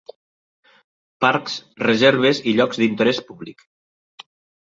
Parcs, reserves i llocs d'interès públic.